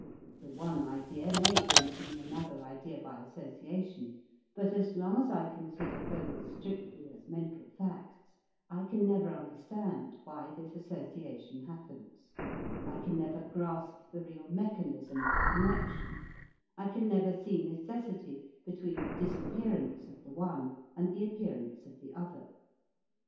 The one idea may bring to me another idea by association, but as long as I consider both strictly as mental facts, I can never understand why this association happens, I can never grasp the real mechanism of the connection, I can never see necessity between the disappearance of the one and the appearance of the other.